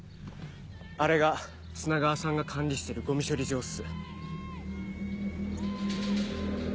あれが砂川さんが管理してるゴミ処理場っす。